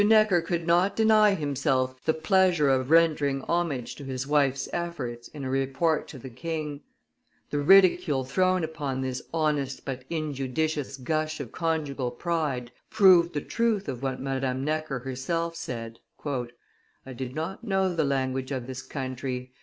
Necker could not deny himself the pleasure of rendering homage to his wife's efforts in a report to the king; the ridicule thrown upon this honest but injudicious gush of conjugal pride proved the truth of what Madame Necker herself said. "I did not know the language of this country.